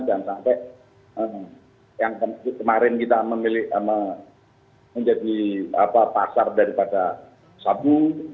jangan sampai yang kemarin kita memilih menjadi pasar daripada sabu